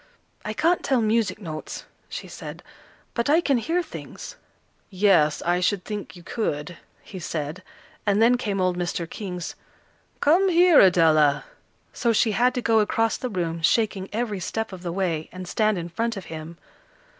"I can't tell music notes," she said, "but I can hear things." "Yes, I should think you could," he said. And then came old Mr. King's "Come here, Adela," so she had to go across the room, shaking every step of the way, and stand in front of him.